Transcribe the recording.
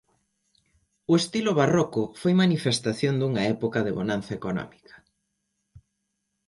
O estilo barroco foi manifestación dunha época de bonanza económica